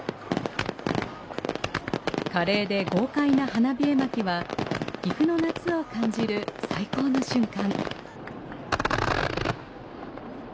華麗で豪快な花火絵巻は岐阜の夏を感じる最高の瞬間。